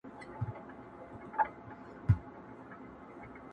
o چي پیدا سوی ژوند پر جهان دی.